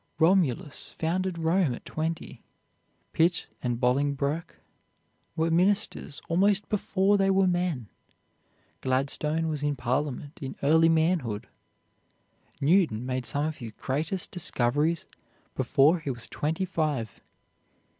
Romulus founded Rome at twenty. Pitt and Bolingbroke were ministers almost before they were men. Gladstone was in Parliament in early manhood. Newton made some of his greatest discoveries before he was twenty five.